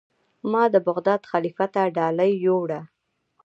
ما د بغداد خلیفه ته ډالۍ یووړه.